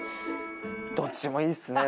どっちもいいっすね。